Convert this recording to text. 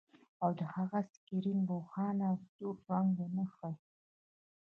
او د هغه سکرین روښانه سور رنګ ونه ښيي